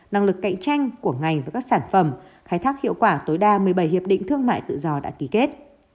năng lực cạnh tranh của ngành và các sản phẩm khai thác hiệu quả tối đa một mươi bảy hiệp định thương mại tự do đã ký kết